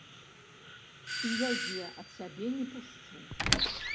І яе ад сябе не пушчу.